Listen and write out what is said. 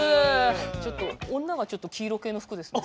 ちょっと女がちょっと黄色系の服ですね。